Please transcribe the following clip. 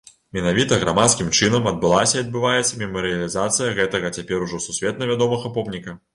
Менавіта грамадскім чынам адбылася і адбываецца мемарыялізацыя гэтага цяпер ужо сусветна вядомага помніка.